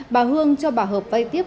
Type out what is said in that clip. bà hương cho bà hợp vay tiếp